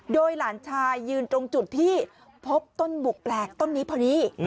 โดยหลานชายยืนตรงจุดที่พบต้นบุกแปลกต้นนี้พอดี